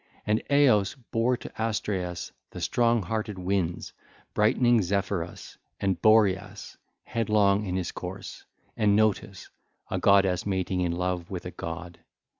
(ll. 378 382) And Eos bare to Astraeus the strong hearted winds, brightening Zephyrus, and Boreas, headlong in his course, and Notus,—a goddess mating in love with a god.